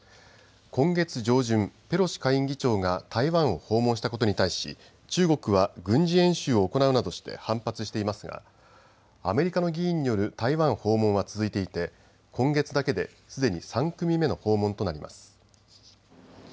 今月上旬、ペロシ下院議長が台湾を訪問したことに対し中国は軍事演習を行うなどして反発していますがアメリカの議員による台湾訪問は続いていて今月だけですでに３組目の訪問となります。